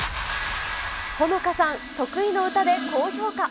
ホノカさん、得意の歌で、高評価。